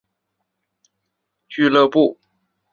保顿艾尔宾足球俱乐部。